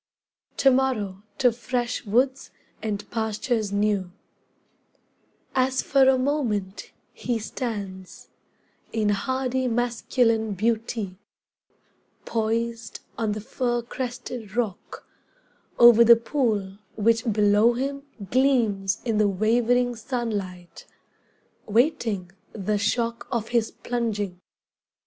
"To morrow to Fresh Woods and Pastures New" As for a moment he stands, in hardy masculine beauty, Poised on the fircrested rock, over the pool which below him Gleams in the wavering sunlight, waiting the shock of his plunging.